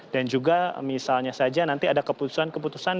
dan juga misalnya saja nanti ada keputusan keputusan